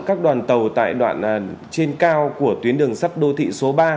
các đoàn tàu tại đoạn trên cao của tuyến đường sắt đô thị số ba